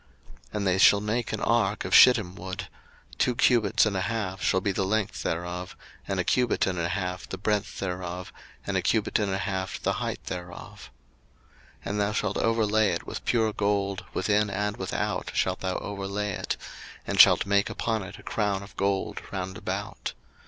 02:025:010 And they shall make an ark of shittim wood: two cubits and a half shall be the length thereof, and a cubit and a half the breadth thereof, and a cubit and a half the height thereof. 02:025:011 And thou shalt overlay it with pure gold, within and without shalt thou overlay it, and shalt make upon it a crown of gold round about.